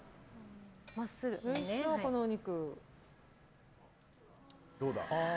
おいしそう、このお肉。